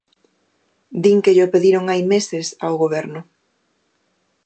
Din que llo pediron hai meses ao Goberno.